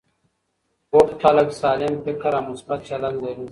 بوخت خلک سالم فکر او مثبت چلند لري.